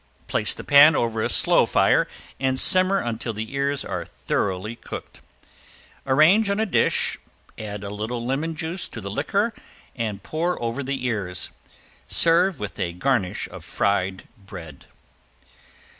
Place the pan over a slow fire and simmer until the ears are thoroughly cooked. Arrange on a dish, add a little lemon juice to the liquor and pour over the ears. Serve with a garnish of fried bread.